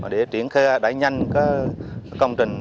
để triển khai đẩy nhanh công trình